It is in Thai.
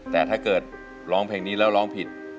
แต่ถ้าเกิดร้องเพลงนี้แล้วร้องผิด